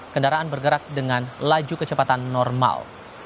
kendaraan bergerak dengan laju kecepatan normal